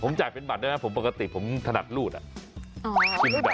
จ่ายเป็นบัตรด้วยนะผมปกติผมถนัดรูดอ่ะ